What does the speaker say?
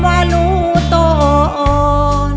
เพลงเพลง